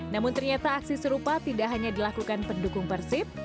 namun ternyata aksi serupa tidak hanya dilakukan pendukung persib